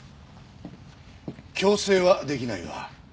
強制は出来ないが。